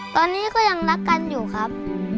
ตอนนี้ก็ยังรักกันอยู่ครับ